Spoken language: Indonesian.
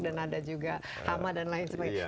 dan ada juga hama dan lain sebagainya